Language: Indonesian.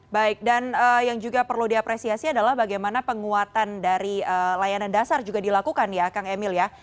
baik dan yang juga perlu diapresiasi adalah bagaimana penguatan dari layanan dasar juga dilakukan ya kang emil ya